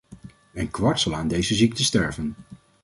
Een kwart zal aan deze ziekte sterven.